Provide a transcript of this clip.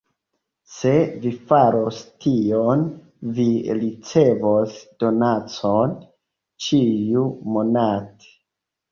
Se vi faros tion, vi ricevos donacon ĉiu-monate.